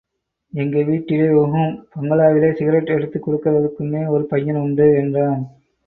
எங்க வீட்டிலே – ஊஹும், பங்களாவிலே சிகரெட் எடுத்துக் குடுக்கிறதுக்குன்னே ஒரு பையன் உண்டு! என்றான்.